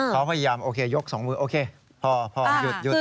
เขาพยายามโอเคยกสองมือโอเคพอหยุด